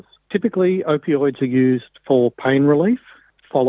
biasanya opioid digunakan untuk penyelamat sakit